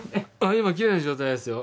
今きれいな状態ですよ。